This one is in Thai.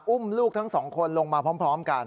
อุ้มลูกทั้งสองคนลงมาพร้อมกัน